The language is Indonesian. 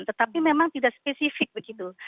tetapi memang tidak spesifik begitu